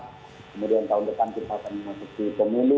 kemudian tahun depan kita akan masuk ke pemilu